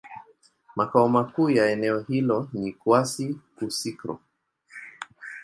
Makao makuu ya eneo hilo ni Kouassi-Kouassikro.